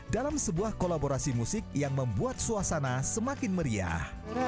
dalam sebuah kolaborasi musik yang membuat suasana semakin meriah